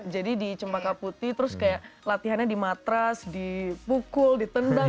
jadi di cempaka putih terus kayak latihannya di matras dipukul ditendang